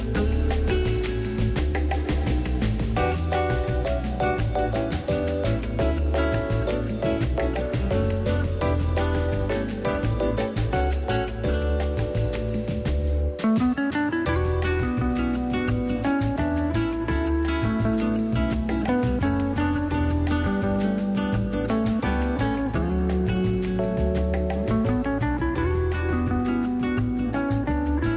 เวลาของรู้ก่อนร้อนหนาวแล้วนะครับ